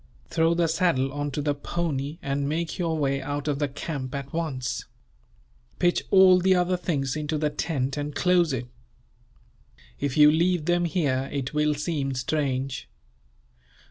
Throw the saddle on to the pony, and make your way out of the camp, at once. Pitch all the other things into the tent, and close it. If you leave them here, it will seem strange.